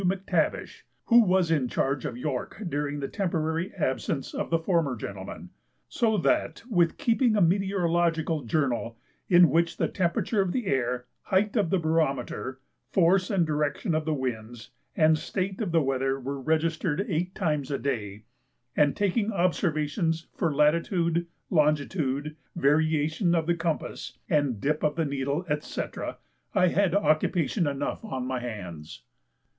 Mactavish, who was in charge of York during the temporary absence of the former gentleman; so that, with keeping a meteorological journal in which the temperature of the air, height of the barometer, force and direction of the winds, and state of the weather were registered eight times a day and taking observations for latitude, longitude, variation of the compass, and dip of the needle, &c., I had occupation enough on my hands.